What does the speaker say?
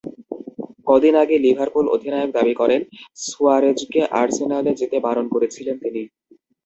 কদিন আগে লিভারপুল অধিনায়ক দাবি করেন, সুয়ারেজকে আর্সেনালে যেতে বারণ করেছিলেন তিনি।